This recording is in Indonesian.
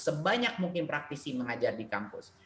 sebanyak mungkin praktisi mengajar di kampus